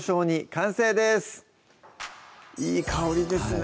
完成ですいい香りですね